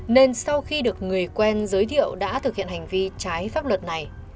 nên sau khi được người quen giới thiệu đã thực hiện hành vi trái pháp luật này